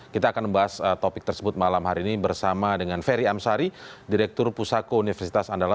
kita akan membahas topik tersebut malam hari ini bersama dengan ferry amsari direktur pusako universitas andala